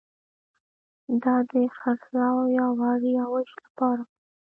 دا د خرڅلاو یا وړیا وېش لپاره وو